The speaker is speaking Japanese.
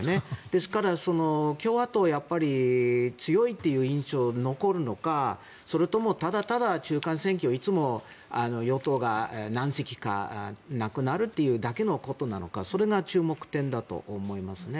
ですから共和党はやっぱり強いという印象が残るのかそれとも、ただただ中間選挙いつも与党が何議席かなくなるというだけのことなのかそれが注目点だと思いますね。